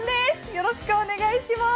よろしくお願いします。